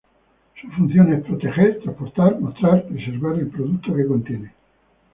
Su función es proteger, transportar, mostrar, preservar el producto que contiene.